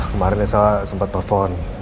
kemarin elsa sempat telepon